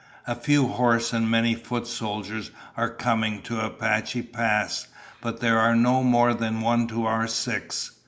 "A few horse and many foot soldiers are coming to Apache Pass, but they are no more than one to our six.